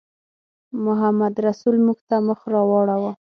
محمدرسول موږ ته مخ راواړاوه.